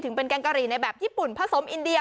เป็นแกงกะหรี่ในแบบญี่ปุ่นผสมอินเดีย